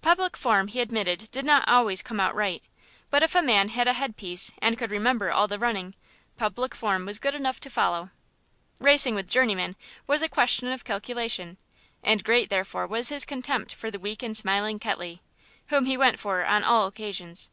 Public form he admitted did not always come out right, but if a man had a headpiece and could remember all the running, public form was good enough to follow. Racing with Journeyman was a question of calculation, and great therefore was his contempt for the weak and smiling Ketley, whom he went for on all occasions.